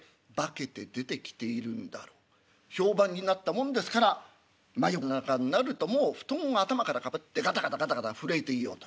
評判になったもんですから真夜中になるともう布団を頭からかぶってガタガタガタガタ震えていようという。